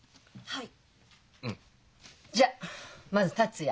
はい。